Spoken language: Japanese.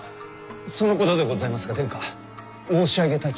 そのことでございますが殿下申し上げたき儀が。